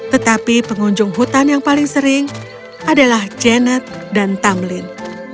tetapi pengunjung hutan yang paling sering adalah janet dan tamlin